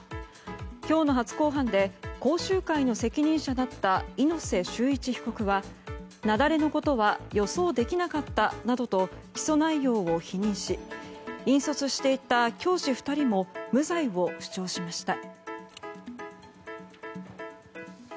今日の初公判で講習会の責任者だった猪瀬修一被告は、雪崩のことは予想できなかったなどと起訴内容を否認し引率していた教師２人も無罪を主張しました。